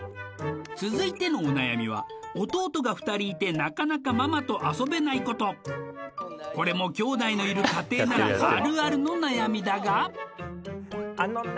続いてのお悩みは弟が２人いてなかなかママと遊べないことこれもきょうだいのいる家庭ならあるあるの悩みだがあのね